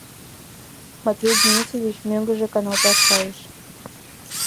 Матвей Денисович мӧҥгыжӧ каналташ кайыш.